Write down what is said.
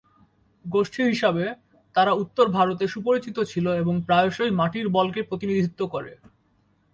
গোষ্ঠী হিসাবে, তারা উত্তর ভারতে সুপরিচিত ছিল এবং প্রায়শই মাটির বলকে প্রতিনিধিত্ব করে।